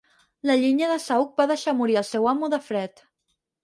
La llenya de saüc va deixar morir el seu amo de fred.